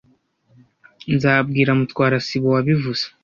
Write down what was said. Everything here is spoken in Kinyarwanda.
nzabwira Mutwara sibo wabivuze.